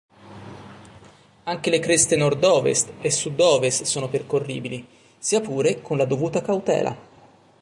Anche le creste nord-ovest e sud-ovest sono percorribili, sia pure con la dovuta cautela.